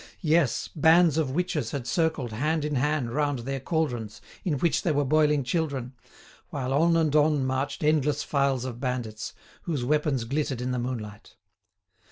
Yes, bands of witches had circled hand in hand round their caldrons in which they were boiling children, while on and on marched endless files of bandits, whose weapons glittered in the moonlight.